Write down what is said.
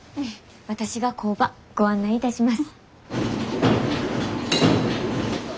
私が工場ご案内いたします。